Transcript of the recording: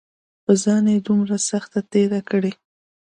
پۀ ځان دومره سخته تېره کړې